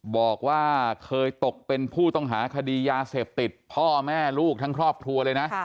บอกว่าเคยตกเป็นผู้ต้องหาคดียาเสพติดพ่อแม่ลูกทั้งครอบครัวเลยนะ